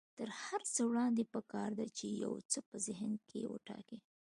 تر هر څه وړاندې پکار ده چې يو څه په ذهن کې وټاکئ.